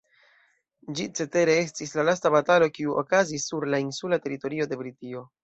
Ĝi cetere estis la lasta batalo, kiu okazis sur la insula teritorio de Britio.